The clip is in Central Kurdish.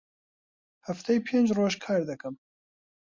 هەفتەی پێنج ڕۆژ کار دەکەم.